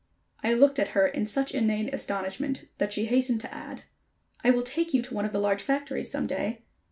I looked at her in such inane astonishment that she hastened to add: "I will take you to one of the large factories some day.